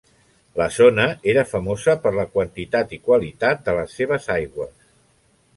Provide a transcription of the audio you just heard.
La zona era famosa per la quantitat i qualitat de les seves aigües.